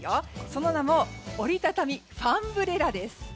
その名も折りたたみファンブレラです。